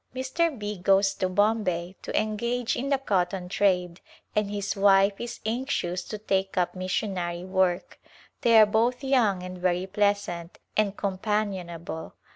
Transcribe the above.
Mr. B goes to Bombay to engage in the cotton trade and his wife is anxious to take up missionary work. They are both young and very pleasant and companionable.